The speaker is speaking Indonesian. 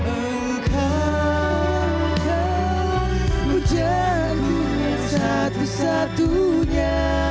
engkau pujaanku yang satu satunya